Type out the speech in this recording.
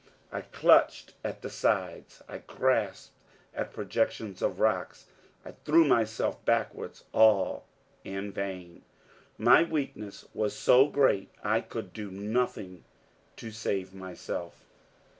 I clutched at the sides; I grasped at projections of rocks; I threw myself backwards. All in vain. My weakness was so great I could do nothing to save myself.